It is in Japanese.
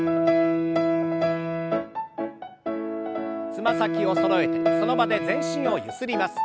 つま先をそろえてその場で全身をゆすります。